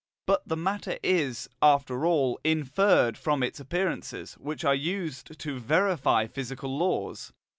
But the matter is, after all, inferred from its appearances, which are used to VERIFY physical laws.